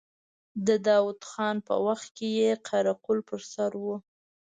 د داود خان په وخت کې يې قره قل پر سر و.